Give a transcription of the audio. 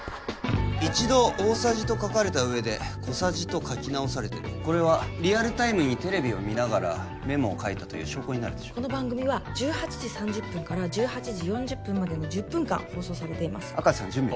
一度「大さじ」と書かれた上で「小さじ」と書き直されてるこれはリアルタイムにテレビを見ながらメモを書いたという証拠になるこの番組は１８時３０分から１８時４０分までの１０分間放送されています明石さん準備は？